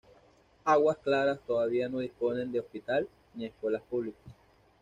Águas Claras todavía no dispone de hospital ni escuelas públicas.